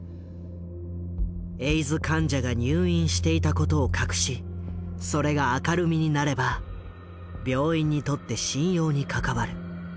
エイズ患者が入院していたことを隠しそれが明るみになれば病院にとって信用に関わる。